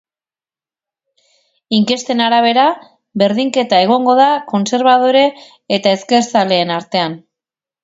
Inkesten arabera, berdinketa egongo da kontserbadore eta ezkerzaleen artean.